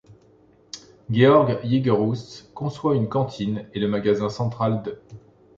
Georg Jägerroos conçoit une cantine et le magasin central d'.